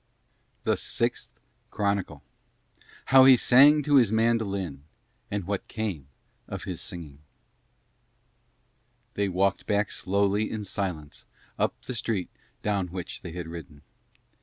THE SIXTH CHRONICLE HOW HE SANG TO HIS MANDOLIN AND WHAT CAME OF HIS SINGING They walked back slowly in silence up the street down which they had ridden.